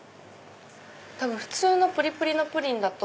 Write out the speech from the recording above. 普通のぷりぷりのプリンだと。